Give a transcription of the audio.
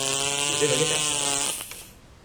Vous aimerez ta sœur.